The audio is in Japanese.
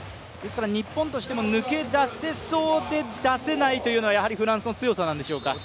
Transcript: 日本としても抜け出せそうで出せないというのがやはりフランスの強さなんでしょうか。